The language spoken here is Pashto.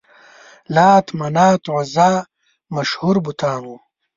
لات، منات، عزا مشهور بتان وو.